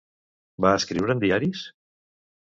Va escriure en diaris?